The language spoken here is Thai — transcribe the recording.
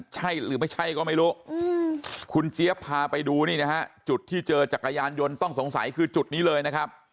ใช่หรือไม่ใช่ก็ไม่รู้คุณเจี๊ยบพาไปดูนี่นะฮะจุดที่เจอจักรยานยนต์ต้องสงสัยคือจุดนี้เลยนะครับ